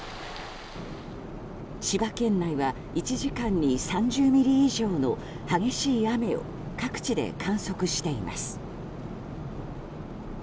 千葉県内は１時間に３０ミリ以上の激しい雨を各地で観測しています。